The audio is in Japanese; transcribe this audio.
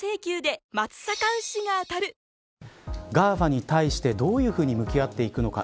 ＧＡＦＡに対してどういうふうに向き合っていくのか。